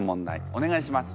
お願いします。